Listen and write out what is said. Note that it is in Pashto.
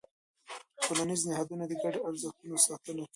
ټولنیز نهادونه د ګډو ارزښتونو ساتنه کوي.